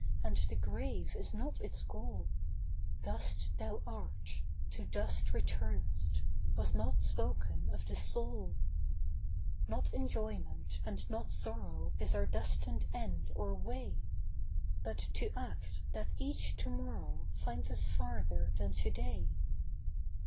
And the grave is not its goal ; Dust thou art, to dust returnest, Was not spoken of the soul. VOICES OF THE NIGHT. Not enjoyment, and not sorrow, Is our destined end or way ; But to act, that each to morrow Find us farther than to day.